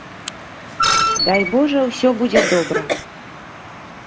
Дай божа, усё будзе добра.